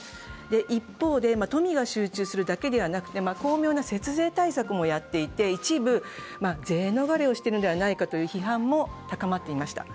一方で、富が集中するだけじゃなくて巧妙な節税対策もやっていて一部税逃れをしているんじゃないかという批判も高まっていました。